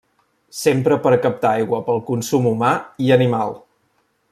S'empra per captar aigua pel consum humà i animal.